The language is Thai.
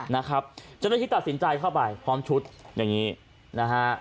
นะครับเจ้าหน้าที่ตัดสินใจเข้าไปพร้อมชุดอย่างนี้นะฮะ